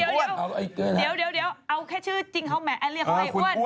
เดี๋ยวเอาแค่ชื่อจริงเขาแหมะ